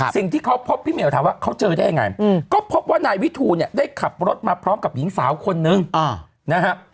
สิ่งที่เขาพบพี่เหมียวถามว่าเขาเจอได้ยังไงก็พบว่านายวิทูลเนี่ยได้ขับรถมาพร้อมกับหญิงสาวคนนึงนะฮะ